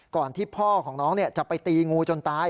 ก่อนที่พ่อของน้องจะไปตีงูจนตาย